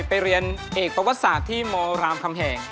ไปเรียนเอกประวัติศาสตร์ที่มรามคำแหง